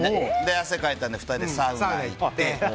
汗かいたので２人でサウナ行って。